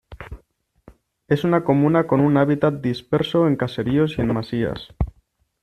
Es una comuna con un hábitat disperso en caseríos o en masías.